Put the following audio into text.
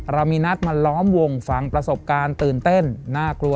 เรามีนัดมาล้อมวงฟังประสบการณ์ตื่นเต้นน่ากลัว